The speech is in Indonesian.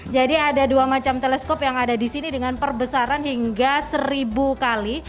jadi ada dua macam teleskop yang ada di sini dengan perbesaran hingga seribu kali